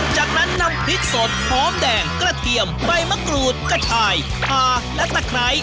จากนั้นนำพริกสดหอมแดงกระเทียมใบมะกรูดกระชายพาและตะไคร้